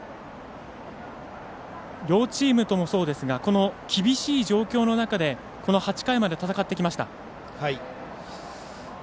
両チームともそうですがこの厳しい状況の中でこの８回まで戦ってきました。